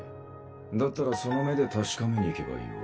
だったらその目で確かめに行けばいいわ。